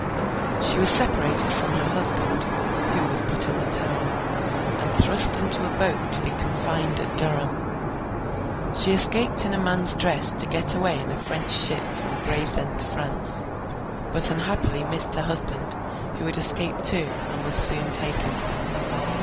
She was separated from her husband (who was put in the Tower) and thrust into a boat to be confined at Durham. She escaped in a man's dress to get away in a French ship from Gravesend to France, but unhappily missed her husband, who had escaped too, and was soon taken.